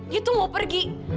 dia tuh mau pergi